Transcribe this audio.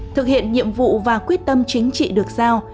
thực hiện nhiệm vụ và quyết tâm chính trị được giao